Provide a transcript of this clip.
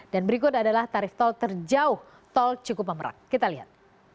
dan berikut adalah tarif tol terjauh tol cikupamrak kita lihat